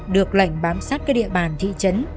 được lệnh bám sát các địa bàn thị trấn